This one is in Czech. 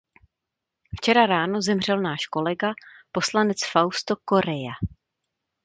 Včera ráno zemřel náš kolega poslanec Fausto Correia.